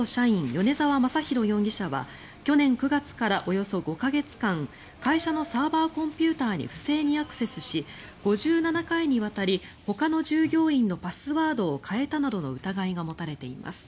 米沢正寛容疑者は去年９月からおよそ５か月間会社のサーバーコンピューターに不正にアクセスし５７回にわたりほかの従業員のパスワードを変えたなどの疑いが持たれています。